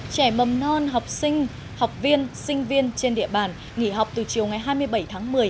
trẻ mầm non học sinh học viên sinh viên trên địa bàn nghỉ học từ chiều ngày hai mươi bảy tháng một mươi